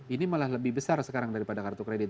ini malah lebih besar sekarang daripada kartu kredit